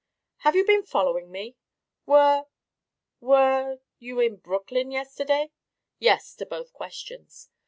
"Have you been following me? Were were you in Brooklyn yesterday?" "Yes, to both questions."